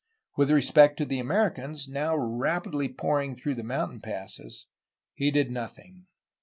With respect to the Ameri cans, now rapidly pouring through the mountain passes, he did nothing.